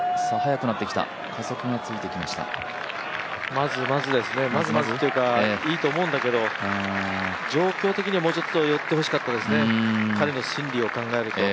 まずまずですね、まずまずというかいいと思うんだけど状況的にはもうちょっと寄ってほしかったですね、彼の心理を考えると。